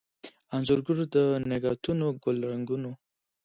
انځورګر دنګهتونوګل رنګونو